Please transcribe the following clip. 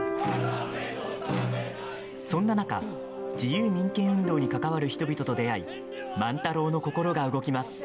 そんな中、自由民権運動に関わる人々と出会い万太郎の心が動きます。